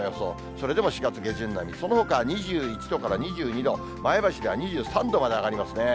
それでも４月下旬並み、そのほか２１度から２２度、前橋では２３度まで上がりますね。